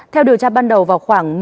theo điều tra ban đầu vào khoảng